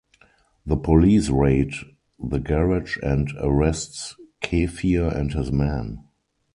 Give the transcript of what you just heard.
The police raid the garage and arrests Kefir and his men.